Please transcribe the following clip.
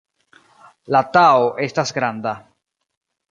La Tao estas granda.